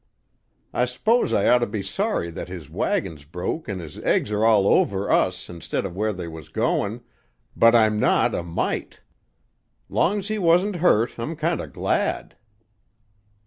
I s'pose I ought to be sorry that his wagon's broke an' his eggs are all over us instead of where they was goin', but I'm not a mite. Long's he wasn't hurt, I'm kinder glad."